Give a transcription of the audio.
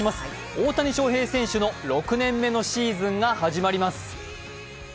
大谷翔平選手の６年目のシーズンが始まります。